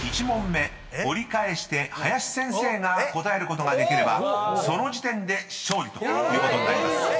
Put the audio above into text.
［１問目折り返して林先生が答えることができればその時点で勝利ということになります］